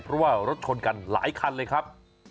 เพราะว่ารถชนกันหลายคันเลยครับ